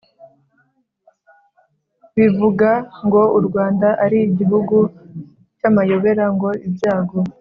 Bivuga ngo u rwanda ari igihugu cy amayobera ngo ibyago